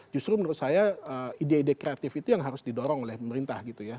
justru menurut saya ide ide kreatif itu yang harus didorong oleh pemerintah gitu ya